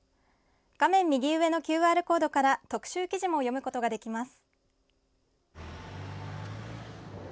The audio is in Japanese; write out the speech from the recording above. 画面右上のＱＲコードから特集記事も読むことができます。